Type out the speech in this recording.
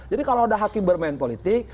jadi kalau ada hakim bermain politik